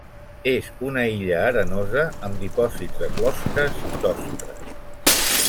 És una illa arenosa amb dipòsits de closques d'ostra.